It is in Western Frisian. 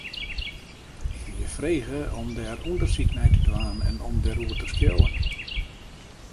Ik wie frege om dêr ûndersyk nei te dwaan en om dêroer te skriuwen.